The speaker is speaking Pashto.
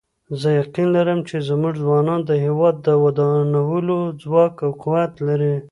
زه یقین لرم چې زموږ ځوانان د هیواد د ودانولو ځواک او قوت لري